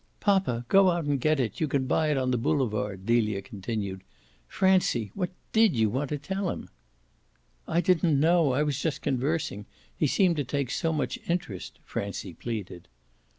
"Poppa, go out and get it you can buy it on the boulevard!" Delia continued. "Francie, what DID you want to tell him?" "I didn't know. I was just conversing. He seemed to take so much interest," Francie pleaded.